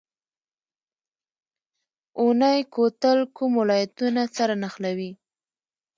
اونی کوتل کوم ولایتونه سره نښلوي؟